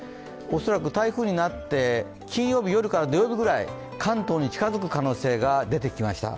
恐らく台風になって金曜日夜から土曜日くらい関東に近づく可能性が出てきました。